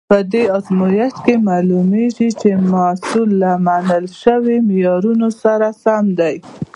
په دې ازمېښت کې معلومیږي چې محصول له منل شویو معیارونو سره سم دی.